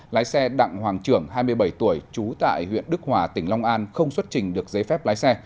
lái xe đặng hoàng trưởng hai mươi bảy tuổi trú tại huyện đức hòa tỉnh long an không xuất trình được giấy phép lái xe